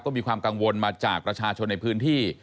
ก็มีความกังวลมาจากประชาชนในพื้นที่